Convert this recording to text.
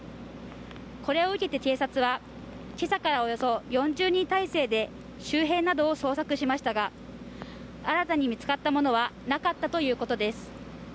これを受けて警察は、今朝からおよそ４０人態勢で周辺などを捜索しましたが新たに見つかったものはなかったということです。